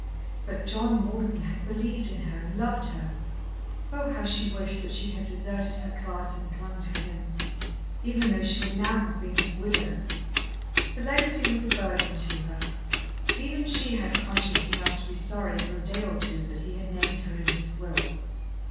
But John Morton had believed in her and loved her. Oh, how she wished that she had deserted her class, and clung to him, even though she should now have been his widow. The legacy was a burden to her. Even she had conscience enough to be sorry for a day or two that he had named her in his will.